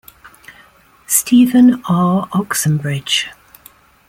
Stephen R. Oxenbridge.